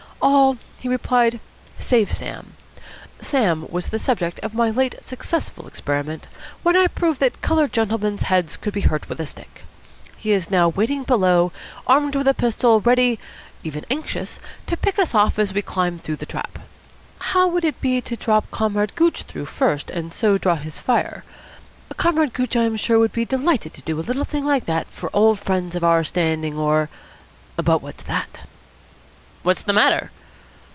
"All," he replied, "save Sam. Sam was the subject of my late successful experiment, when I proved that coloured gentlemen's heads could be hurt with a stick. He is now waiting below, armed with a pistol, ready even anxious to pick us off as we climb through the trap. How would it be to drop Comrade Gooch through first, and so draw his fire? Comrade Gooch, I am sure, would be delighted to do a little thing like that for old friends of our standing or but what's that!" "What's the matter?"